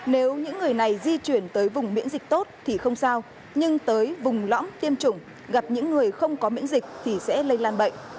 nếu những người này di chuyển tới vùng miễn dịch tốt thì không sao nhưng tới vùng lõm tiêm chủng gặp những người không có miễn dịch thì sẽ lây lan bệnh